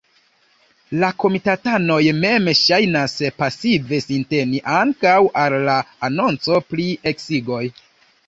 La komitatanoj mem ŝajnas pasive sinteni ankaŭ al la anonco pri eksigoj.